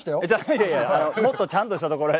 いやいや、もっとちゃんとしたところへ。